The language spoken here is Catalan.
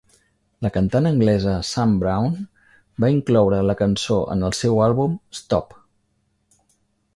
La cantant anglesa Sam Brown va incloure la cançó en el seu àlbum "Stop!"